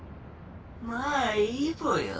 まあいいぽよ。